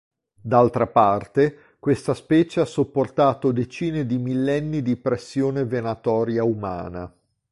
D’altra parte, questa specie ha sopportato decine di millenni di pressione venatoria umana.